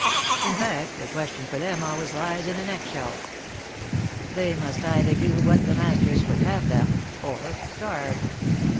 In fact the question for them always lies in an egg shell. They must either do what the masters would have them, or starve.